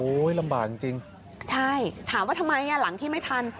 ลำบากจริงจริงใช่ถามว่าทำไมอ่ะหลังที่ไม่ทัน